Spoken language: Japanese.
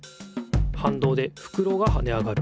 はんどうでふくろがはね上がる。